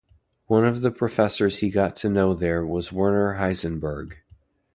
One of the professors he got to know there was Werner Heisenberg.